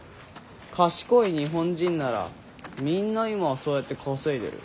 賢い日本人ならみんな今はそうやって稼いでる。